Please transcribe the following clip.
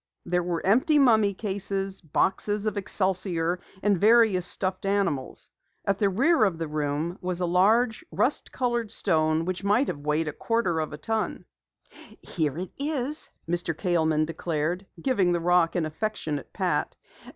There were empty mummy cases, boxes of excelsior, and various stuffed animals. At the rear of the room was a large rust colored stone which might have weighed a quarter of a ton. "Here it is," Mr. Kaleman declared, giving the rock an affectionate pat.